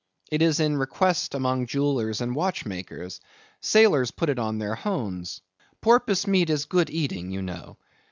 It is in request among jewellers and watchmakers. Sailors put it on their hones. Porpoise meat is good eating, you know.